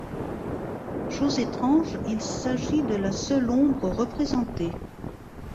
Chose étrange, il s'agit de la seule ombre représentée.